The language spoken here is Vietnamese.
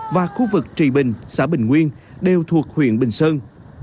và khu vực trì bình xã bình nguyên đều thuộc huyện bình sơn